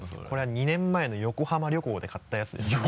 これは２年前の横浜旅行で買ったやつです。